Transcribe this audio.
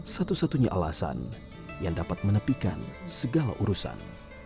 satu satunya alasan yang dapat menepikan segala urusan